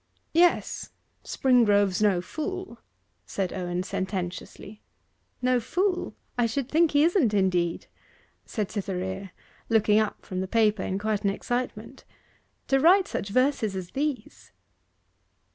'Yes Springrove's no fool,' said Owen sententiously. 'No fool! I should think he isn't, indeed,' said Cytherea, looking up from the paper in quite an excitement: 'to write such verses as these!